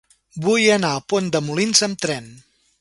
Vull anar a Pont de Molins amb tren.